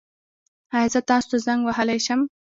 ایا زه تاسو ته زنګ وهلی شم؟